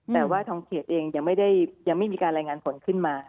แต่ว่าทางเขตเองยังไม่มีการรายงานผลขึ้นมา